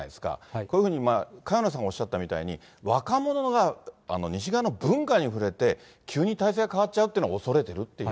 こういうふうに萱野さんおっしゃったように、若者が西側の文化に触れて、急に体制が変わっちゃうっていうのを恐れてるっていう。